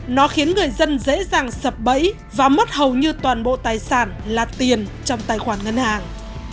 nó khiến người dân dễ dàng sập bẫy và mất hầu như toàn bộ tài sản là tiền trong tài khoản ngân hàng